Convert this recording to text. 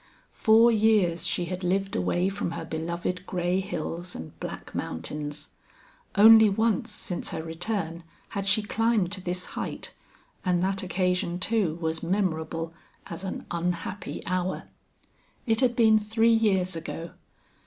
Four years she had lived away from her beloved gray hills and black mountains. Only once since her return had she climbed to this height, and that occasion, too, was memorable as an unhappy hour. It had been three years ago.